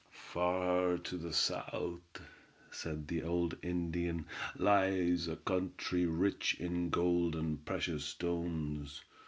"Far to the south," said the old Indian, "lies a country rich in gold and precious stones.